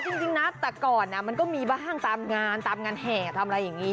จริงนะแต่ก่อนมันก็มีบ้างตามงานตามงานแห่ทำอะไรอย่างนี้